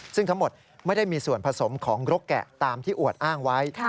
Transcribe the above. ซึ่งทั้งหมดไม่ได้มีส่วนผสมของรกแกะตามที่อวดอ้างไว้